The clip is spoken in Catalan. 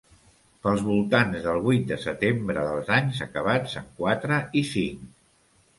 Pels voltants del vuit de setembre dels anys acabats en quatre i cinc.